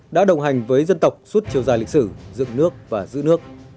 đã đồng hành với dân tộc suốt chiều dài lịch sử dựng nước và giữ nước